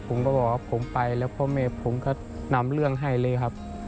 ผมก็บอกว่าผมไปแล้วพ่อแม่ผมก็นำเรื่องให้เลยครับ